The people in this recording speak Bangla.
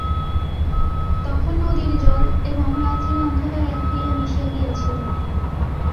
তখন নদীর জল এবং রাত্রির অন্ধকার এক হইয়া মিশিয়া গিয়াছিল।